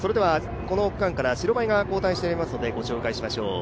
この区間から白バイが交代しておりますので御紹介しましょう。